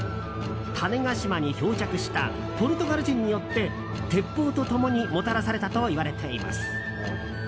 種子島に漂着したポルトガル人によって鉄砲と共にもたらされたといわれています。